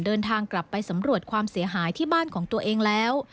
เดินทางกลับไปสำรวจความเสียหายที่บ้านของตัวเองแล้ว